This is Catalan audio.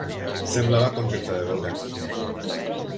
Semblava contenta de veure'm.